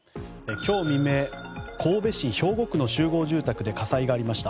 今日未明神戸市兵庫区の集合住宅で火災がありました。